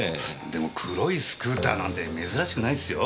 でも黒いスクーターなんて珍しくないですよ。